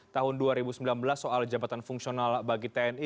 tahun dua ribu sembilan belas soal jabatan fungsional bagi tni